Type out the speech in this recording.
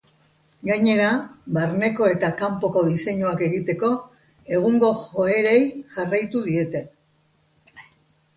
Gainera, barneko eta kanpoko diseinuak egiteko, egungo joerei jarraitu diete.